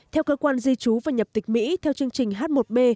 theo cơ quan di trú và nhập tịch mỹ theo chương trình h một b